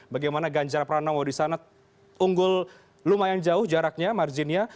bagaimana ganjar pranowo di sana unggul lumayan jauh jaraknya marginnya